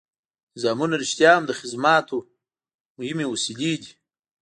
نظامونه رښتیا هم د خدماتو مهمې وسیلې دي.